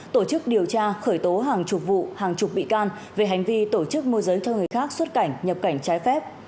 tổ chức điều tra khởi tố hàng chục vụ hàng chục bị can về hành vi tổ chức môi giới cho người khác xuất cảnh nhập cảnh trái phép